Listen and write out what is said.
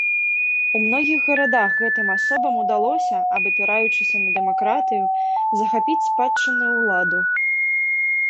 У многіх гарадах гэтым асобам удалося, абапіраючыся на дэмакратыю, захапіць спадчынную ўладу.